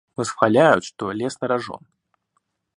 Восхваляют, что лез на рожон.